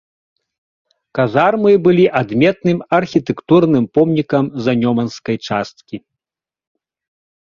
Казармы былі адметным архітэктурным помнікам занёманскай часткі.